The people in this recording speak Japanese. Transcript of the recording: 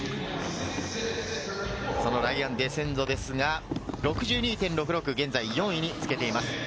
そのライアン・デセンゾですが、６２．６６、現在４位につけています。